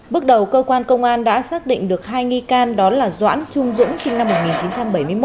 bước đầu cơ quan công an đã xác định được hai nghi can đó là doãn trung dũng sinh năm một nghìn chín trăm bảy mươi một